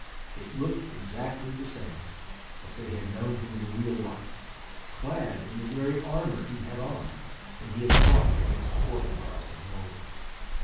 It looked exactly the same as they had known him in real life, clad in the very armour he had on when he had fought against Fortinbras of Norway.